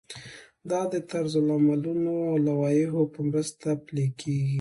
دا د طرزالعملونو او لوایحو په مرسته پلی کیږي.